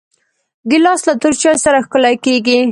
ګیلاس له تور چای سره ښکلی کېږي.